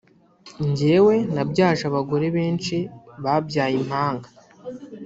“Njyewe nabyaje abagore benshi babyaye impanga